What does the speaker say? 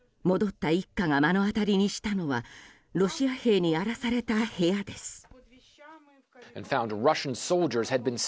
戻った一家が目の当たりにしたのはロシア兵に荒らされた部屋です。